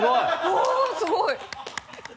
おぉすごい。